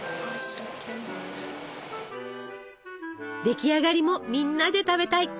出来上がりもみんなで食べたい！